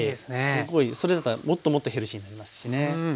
すごいそれだともっともっとヘルシーになりますしね。